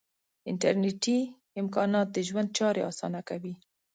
انټرنیټي امکانات د ژوند چارې آسانه کوي.